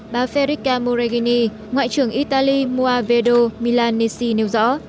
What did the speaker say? bà federica moreghini ngoại trưởng italy moavedo milanese nêu rõ